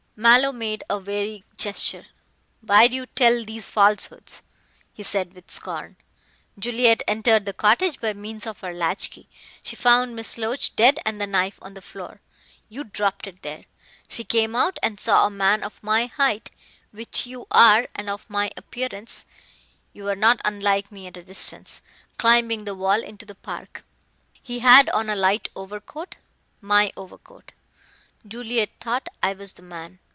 Mallow made a weary gesture. "Why do you tell these falsehoods?" he said with scorn. "Juliet entered the cottage by means of her latch key. She found Miss Loach dead and the knife on the floor. You dropped it there. She came out and saw a man of my height which you are, and of my appearance (you are not unlike me at a distance) climbing the wall into the park. He had on alight overcoat my overcoat. Juliet thought I was the man.